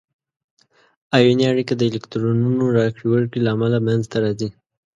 آیوني اړیکه د الکترونونو راکړې ورکړې له امله منځ ته راځي.